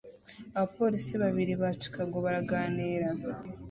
Abapolisi babiri ba Chicago baraganira